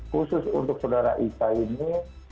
khusus untuk saudara ica ini